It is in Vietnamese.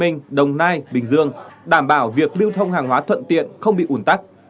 tổng cục đường bình dương đảm bảo việc lưu thông hàng hóa thuận tiện không bị ủn tắt